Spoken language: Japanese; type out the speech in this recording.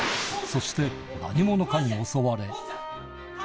そして、何者かに襲われ。